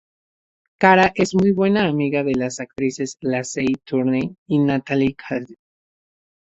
Kara es muy buena amiga de las actrices Lacey Turner y Natalie Cassidy.